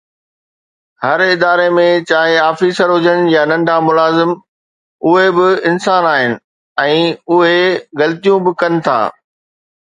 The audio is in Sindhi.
هر اداري ۾ چاهي آفيسر هجن يا ننڍا ملازم، اهي به انسان آهن ۽ اهي غلطيون به ڪن ٿا